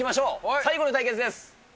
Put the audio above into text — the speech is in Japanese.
最後の対決です。